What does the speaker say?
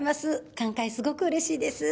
寛解、すごくうれしいです。